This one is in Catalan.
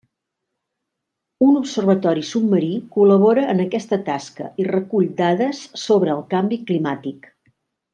Un observatori submarí col·labora en aquesta tasca i recull dades sobre el canvi climàtic.